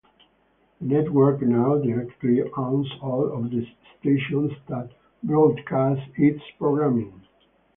The network now directly owns all of the stations that broadcast its programming.